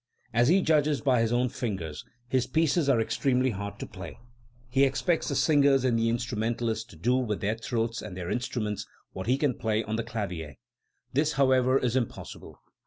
As he judges by his own fingers, his pieces are ex tremely hard to play; he expec'ts the singers and the instrumenta lists to do with their throats and their instruments what he can play on the clavier. This, however, is impossible.